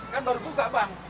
kan baru puka bang